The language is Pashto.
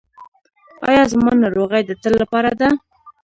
ایا زما ناروغي د تل لپاره ده؟